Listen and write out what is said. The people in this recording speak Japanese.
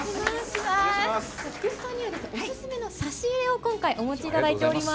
菊池さんにはお勧めの差し入れを今回、お持ちいただいております。